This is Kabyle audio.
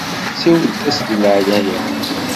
Sawel-as di leɛnaya-m.